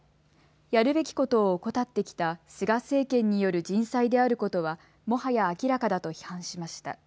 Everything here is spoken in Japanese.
やるべきことを怠ってきた菅政権による人災であることはもはや明らかだと批判しました。